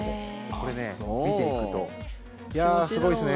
これ、見ていくといやー、すごいですね。